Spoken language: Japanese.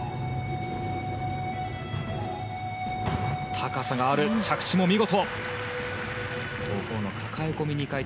高さがある着地も見事。